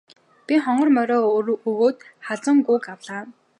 Би хонгор морио өгөөд халзан гүүг авлаа.